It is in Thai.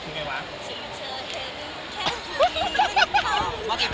มีทิชชู่ไหม